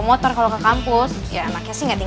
masih kenal saya sama miss ho gao